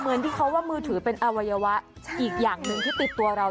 เหมือนที่เขาว่ามือถือเป็นอวัยวะอีกอย่างหนึ่งที่ติดตัวเรา